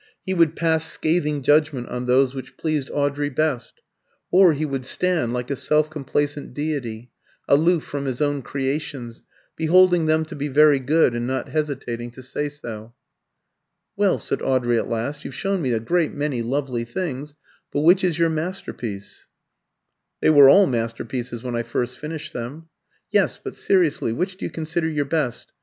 He would pass scathing judgment on those which pleased Audrey best; or he would stand, like a self complacent deity, aloof from his own creations, beholding them to be very good, and not hesitating to say so. "Well," said Audrey at last, "you've shown me a great many lovely things, but which is your masterpiece?" "They were all masterpieces when I first finished them." "Yes; but seriously, which do you consider your best?